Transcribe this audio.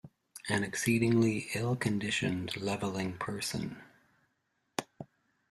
An exceedingly ill-conditioned, levelling person.